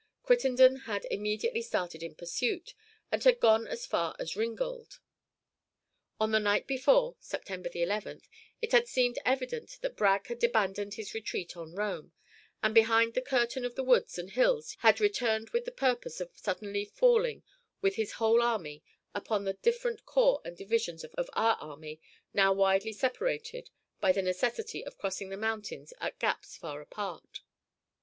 Crittenden had immediately started in pursuit, and had gone as far as Ringgold. On the night before (September 11th) it had seemed evident that Bragg had abandoned his retreat on Rome, and behind the curtain of the woods and hills had returned with the purpose of suddenly falling with his whole army upon the different corps and divisions of our army, now widely separated by the necessity of crossing the mountains at gaps far apart.